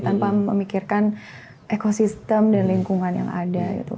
tanpa memikirkan ekosistem dan lingkungan yang ada gitu